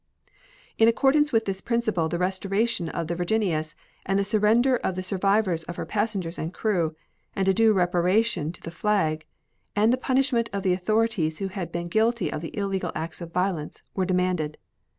In accordance with this principle, the restoration of the Virginius and the surrender of the survivors of her passengers and crew, and a due reparation to the flag, and the punishment of the authorities who had been guilty of the illegal acts of violence, were demanded.